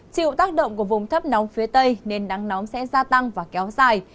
chịu tác động của vùng thấp nóng phía tây nên nắng nóng sẽ gia tăng và kéo dài